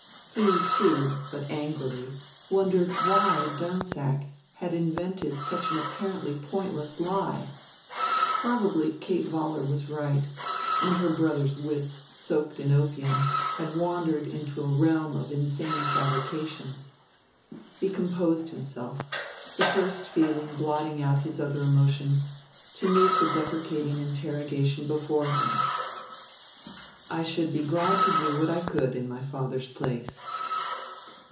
He, too, but angrily, wondered why Dunsack had invented such an apparently pointless lie. Probably Kate Vollar was right, and her brother's wits, soaked in opium, had wandered into a realm of insane fabrications. He composed himself the first feeling blotting out his other emotions to meet the deprecating interrogation before him. "I should be glad to do what I could in my father's place."